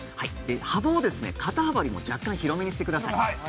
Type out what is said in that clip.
幅を肩幅よりも若干広めにしてください。